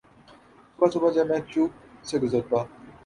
صبح صبح جب میں چوک سے گزرتا